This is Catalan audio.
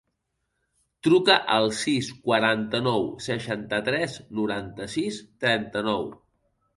Truca al sis, quaranta-nou, seixanta-tres, noranta-sis, trenta-nou.